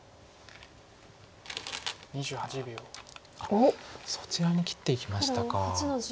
あっそちらに切っていきましたか。